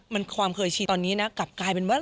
มันความเคยชีตอนนี้นะกลับกลายเป็นว่า